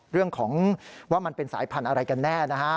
เรื่องของว่ามันเป็นสายพันธุ์อะไรกันแน่นะฮะ